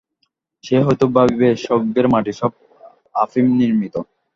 সে হয়তো ভাবিবে, স্বর্গের মাটি সব আফিম-নির্মিত।